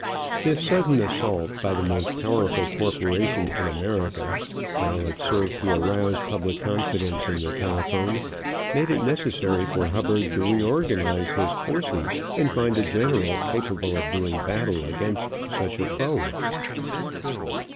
This sudden assault by the most powerful corporation in America, while it served to arouse public confidence in the telephone, made it necessary for Hubbard to reorganize his forces and find a general capable of doing battle against such a foe.